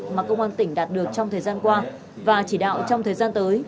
mà công an tỉnh đạt được trong thời gian qua và chỉ đạo trong thời gian tới